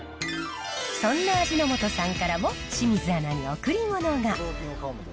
そんな味の素さんからも、清水アナに贈り物が。